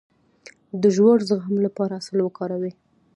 د ژور زخم لپاره عسل وکاروئ